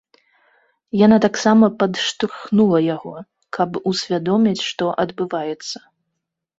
Яна таксама падштурхнула яго, каб усвядоміць, што адбываецца.